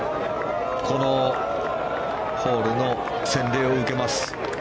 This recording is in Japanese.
このホールの洗礼を受けます。